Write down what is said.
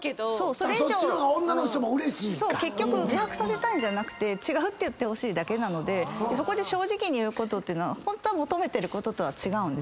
自白させたいんじゃなく違うって言ってほしいだけなのでそこで正直に言うことってホントは求めてることとは違う。